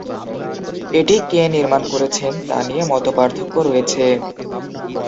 এটি কে নির্মাণ করেছেন তা নিয়ে মতপার্থক্য রয়েছে।